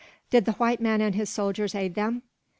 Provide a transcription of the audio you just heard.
"Did the white man and his soldiers aid them?"